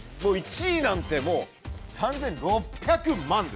１位なんてもう３６００万です。